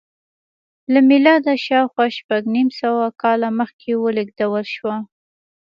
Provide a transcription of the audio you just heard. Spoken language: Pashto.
له میلاده شاوخوا شپږ نیم سوه کاله مخکې ولېږدول شوه